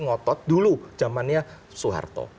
ngotot dulu zamannya suharto